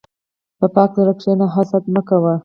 په پاک زړه کښېنه، حسد مه کوه.